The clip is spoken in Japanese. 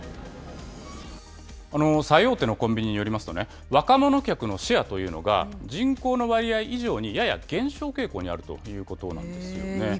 最大手のコンビニによりますと、若者客のシェアというのが、人口の割合以上にやや減少傾向にあるということなんですよね。